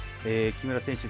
木村選手